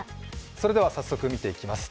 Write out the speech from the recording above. それでは早速見ていきます。